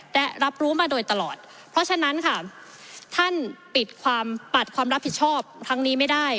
และรับรู้มาโดยตลอดเพราะฉะนั้นค่ะท่านปิดความปัดความรับผิดชอบทั้งนี้ไม่ได้